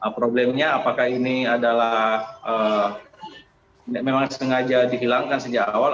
problemnya apakah ini adalah memang sengaja dihilangkan sejak awal